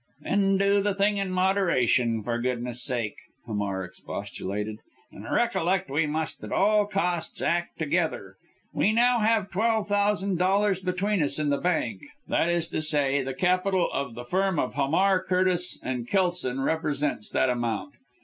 "Then do the thing in moderation, for goodness sake!" Hamar expostulated, "and recollect we must, at all costs, act together. We have now twelve thousand dollars between us in the bank that is to say, the capital of the Firm of Hamar, Curtis and Kelson represents that amount.